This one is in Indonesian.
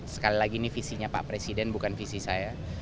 sekali lagi ini visinya pak presiden bukan visi saya